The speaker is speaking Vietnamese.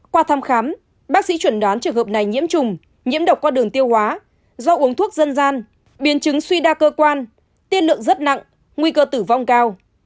qua thăm khám bác sĩ chuẩn đoán trường hợp này nhiễm trùng nhiễm độc qua đường tiêu hóa do uống thuốc dân gian biến chứng suy đa cơ quan tiên lượng rất nặng nguy cơ tử vong cao